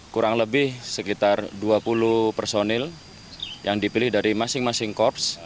kurang lebih sekitar dua puluh personil yang dipilih dari masing masing korps